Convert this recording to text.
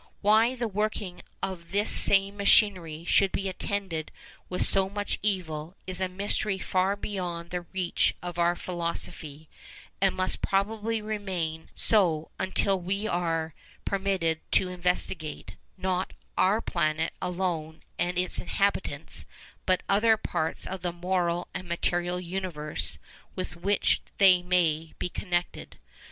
Why the working of this same machinery should be attended with so much evil, is a mystery far beyond the reach of our philosophy, and must probably remain so until we are permitted to investigate, not our planet alone and its inhabitants, but other parts of the moral and material universe with which they may be connected.